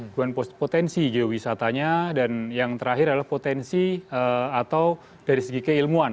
perubahan potensi geowisatanya dan yang terakhir adalah potensi atau dari segi keilmuan